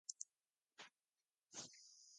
انگن ٹیڑھا ناچ نہ جانے میں بدل گیا